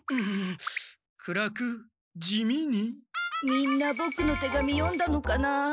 みんなボクの手紙読んだのかな？